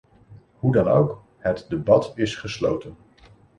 Hoe dan ook, het debat is gesloten.